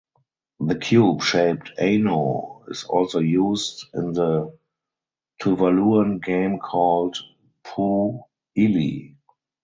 The cube shaped "ano" is also used in the Tuvaluan game called "poo ili".